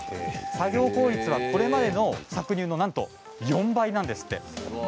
作業効率はこれまでの搾乳のなんと４倍なんです。